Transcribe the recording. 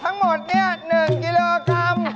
ทั้งหมดเนี่ยหกกิโลกรัม